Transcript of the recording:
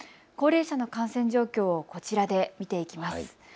高齢者の感染状況をこちらで見ていきます。